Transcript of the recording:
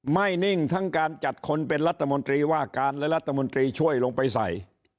นิ่งทั้งการจัดคนเป็นรัฐมนตรีว่าการและรัฐมนตรีช่วยลงไปใส่